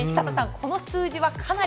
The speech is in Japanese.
この数字はかなり。